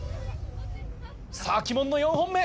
さぁ鬼門の４本目。